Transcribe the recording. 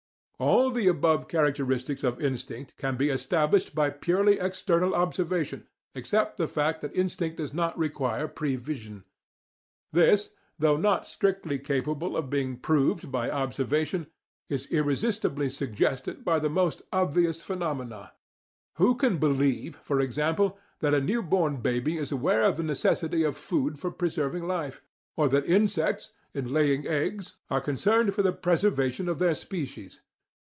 All the above characteristics of instinct can be established by purely external observation, except the fact that instinct does not require prevision. This, though not strictly capable of being PROVED by observation, is irresistibly suggested by the most obvious phenomena. Who can believe, for example, that a new born baby is aware of the necessity of food for preserving life? Or that insects, in laying eggs, are concerned for the preservation of their species?